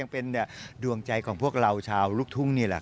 อารักจังเลย